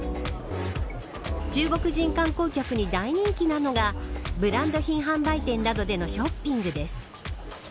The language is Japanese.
中国人観光客に大人気なのがブランド品販売店などでのショッピングです。